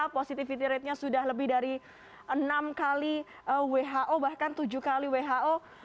positivity ratenya sudah lebih dari enam kali who bahkan tujuh kali who